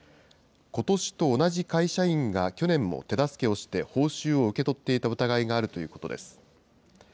ことしと同じ会社員が去年も手助けをして、報酬を受け取っていた疑いがあるということです。